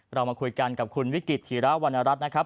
เรามาคุยกันกับคุณวิกฤตธีระวรรณรัฐนะครับ